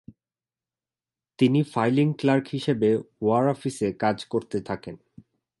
তিনি filing clerk হিসেবে war অফিসে কাজ করতে থাকেন।